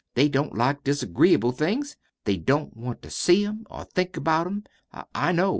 They don't like disagreeable things. They don't want to see 'em or think about 'em. I know.